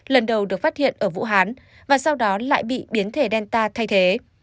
lần đầu được phát hiện ở vũ hán và sau đó lại bị biến thể delta thay thế